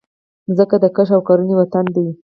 مځکه د کښت او کرنې وطن دی.